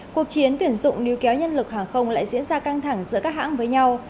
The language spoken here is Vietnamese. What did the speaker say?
cuộc chiến tuyển dụng níu kéo nhân lực hàng không lại diễn ra căng thẳng giữa các hãng với nhau